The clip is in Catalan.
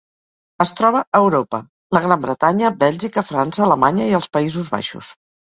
Es troba a Europa: la Gran Bretanya, Bèlgica, França, Alemanya i els Països Baixos.